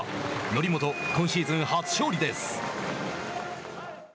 則本、今シーズン初勝利です。